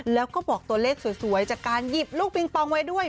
แล้วก็บอกตัวเลขสวยจากการหยิบลูกปิงปองไว้ด้วย